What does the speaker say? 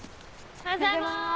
おはようございます。